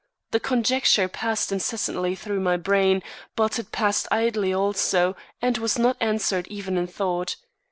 The conjecture passed incessantly through my brain, but it passed idly also and was not answered even in thought.